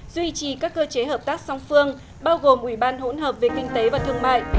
duy trì các cơ chế hợp tác song phương bao gồm ủy ban hỗn hợp về kinh tế và thương mại